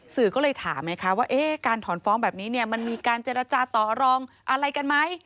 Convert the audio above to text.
สื่อก็เลยถามไงคะว่าการถอนฟ้องแบบนี้เนี่ยมันมีการเจรจาต่อรองอะไรกันไหม